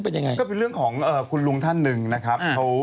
ก็เป็นเรื่องของคุณลุงท่านหนึ่งนะครับ